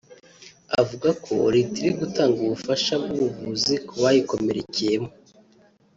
avuga ko Leta iri gutanga ubufasha bw’ubuvuzi ku bayikomerekeyemo